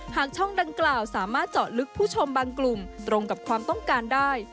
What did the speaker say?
หากช่องดังกล่าวสามารถเจาะลึกผู้ชมบางกลุ่มตรงกับความต้องการได้